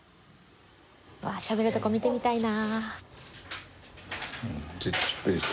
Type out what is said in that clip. わぁしゃべるとこ見てみたいな。